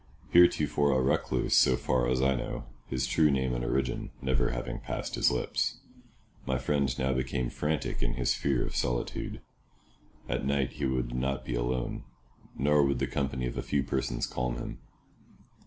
Heretofore a recluse so far as I know—his true name and origin never having passed his lips—my friend now became frantic in his fear of solitude. At night he would not be alone, nor would the company of a few persons calm him.